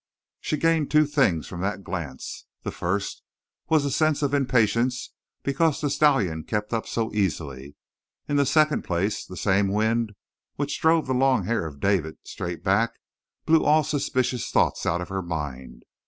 She gained two things from that glance. The first was a sense of impatience because the stallion kept up so easily; in the second place, the same wind which drove the long hair of David straight back blew all suspicious thoughts out of her mind.